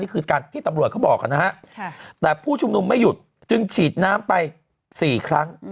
การที่ตำรวจเขาบอกนะฮะแต่ผู้ชุมนุมไม่หยุดจึงฉีดน้ำไป๔ครั้ง